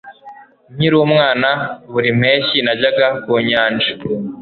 nkiri umwana, buri mpeshyi najyaga ku nyanja